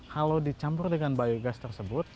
kalau dicampur dengan biogas tersebut